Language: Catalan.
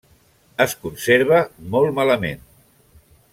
Es conserva molt malament.